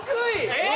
えっ！？